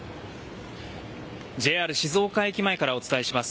ＪＲ静岡駅前からお伝えします。